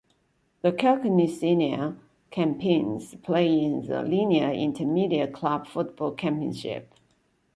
The Kilkenny senior champions play in the Leinster Intermediate Club Football Championship.